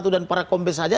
dan para kombes saja